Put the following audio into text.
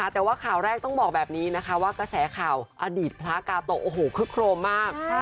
แต่ว่าข่าวแรกต้องบอกแบบนี้นะคะว่ากระแสข่าวอดีตพระกาโตะโอ้โหคึกโครมมาก